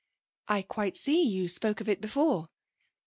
'I quite see. You spoke of it before.'